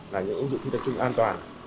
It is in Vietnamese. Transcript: là những ứng dụng thi tập trung an toàn